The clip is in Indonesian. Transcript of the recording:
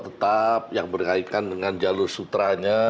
tetap yang berkaitan dengan jalur sutranya